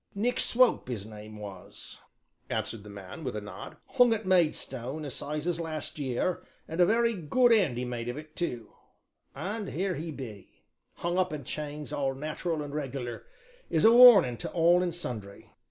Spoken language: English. "Nick Scrope his name was," answered the man with a nod, "hung at Maidstone assizes last year, and a very good end he made of it too; and here he be hung up in chains all nat'ral and reg'lar, as a warning to all and sundry."